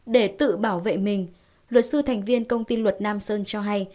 để tự bảo vệ mình luật sư thành viên công ty luật nam sơn cho hay